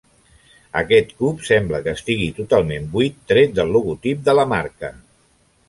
Aquest cub sembla que estigui totalment buit tret del logotip de la marca.